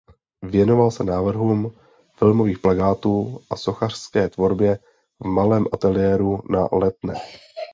Věnoval se návrhům filmových plakátů a sochařské tvorbě v malém ateliéru na Letné.